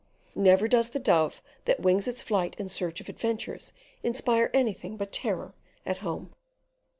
Never does the dove that wings its flight in search of adventures inspire anything but terror at home.